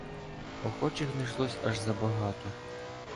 Охочих знайшлося аж забагато.